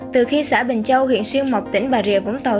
từ khi xã bình châu huyện xuyên mộc tỉnh bà rịa vũng tàu